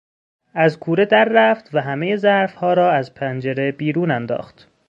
از کوره در رفت و همه ظرفها را از پنجره بیرون انداخت.